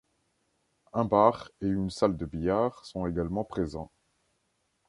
Un bar et une salle de billard sont également présents.